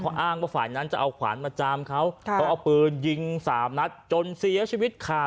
อ้างว่าฝ่ายนั้นจะเอาขวานมาจามเขาเขาเอาปืนยิงสามนัดจนเสียชีวิตค่ะ